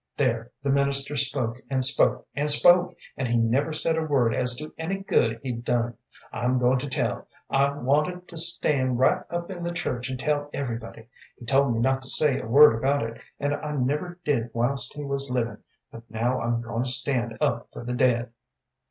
There the minister spoke and spoke and spoke, and he never said a word as to any good he'd done. I'm goin' to tell. I wanted to stan' right up in the church an' tell everybody. He told me not to say a word about it, an' I never did whilst he was livin', but now I'm goin' to stan' up for the dead."